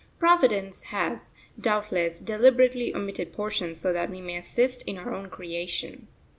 Providence has, doubtless, deliberately omitted portions so that we may assist in our own creation.